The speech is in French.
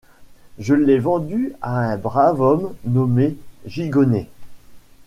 Je l’ai vendu à un brave homme nommé Gigonnet.